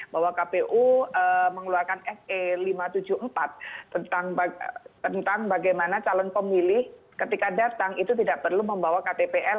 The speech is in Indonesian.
bahwa kpu mengeluarkan se lima ratus tujuh puluh empat tentang bagaimana calon pemilih ketika datang itu tidak perlu membawa ktpl